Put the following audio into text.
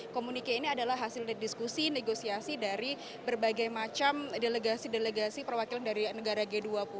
komunike ini adalah hasil diskusi negosiasi dari berbagai macam delegasi delegasi perwakilan dari negara g dua puluh